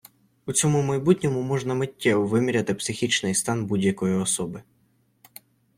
У цьому майбутньому можна миттєво виміряти психічний стан будь-якої особи.